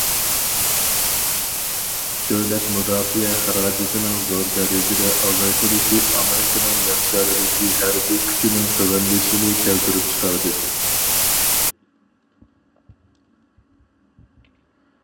دۆلەت مۇداپىئە خىراجىتىنىڭ زور دەرىجىدە ئازايتىلىشى ئامېرىكىنىڭ يەر شارىدىكى ھەربىي كۈچىنىڭ تۆۋەنلىشىنى كەلتۈرۈپ چىقاردى.